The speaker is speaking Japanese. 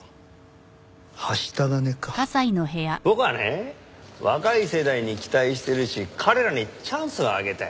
僕はね若い世代に期待してるし彼らにチャンスをあげたい。